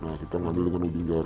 nah kita ambil dengan ujung jari